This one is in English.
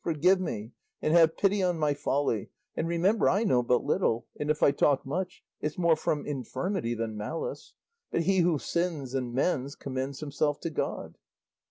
Forgive me and have pity on my folly, and remember I know but little, and, if I talk much, it's more from infirmity than malice; but he who sins and mends commends himself to God."